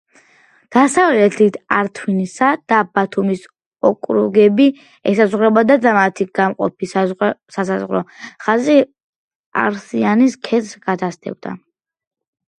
დასავლეთით ართვინისა და ბათუმის ოკრუგები ესაზღვრებოდა და მათი გამყოფი სასაზღვრო ხაზი არსიანის ქედს გასდევდა.